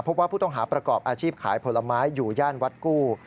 พบว่าผู้ต้องหาประกอบอาชีพขายผลไม้อยู่ย่านวัดกู้